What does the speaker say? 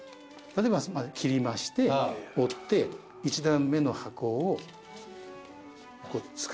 例えば切りまして折って１段目の箱を作るわけです。